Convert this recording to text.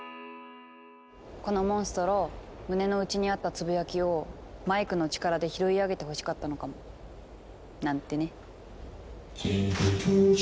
このモンストロ胸の内にあったつぶやきをマイクの力で拾い上げてほしかったのかも。なんてね。